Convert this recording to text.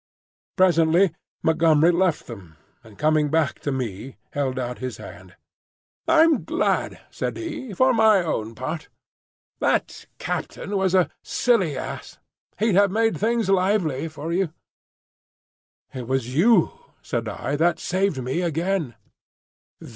Presently Montgomery left them, and coming back to me held out his hand. "I'm glad," said he, "for my own part. That captain was a silly ass. He'd have made things lively for you." "It was you," said I, "that saved me again."